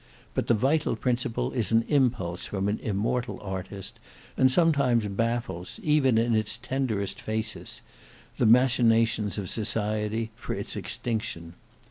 But the vital principle is an impulse from an immortal artist, and sometimes baffles, even in its tenderest phasis, the machinations of society for its extinction.